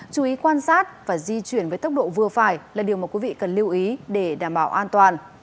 chú ý quan sát và di chuyển với tốc độ vừa phải là điều mà quý vị cần lưu ý để đảm bảo an toàn